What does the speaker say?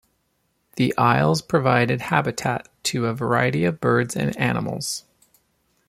The isles provided habitat to a variety of birds and animals.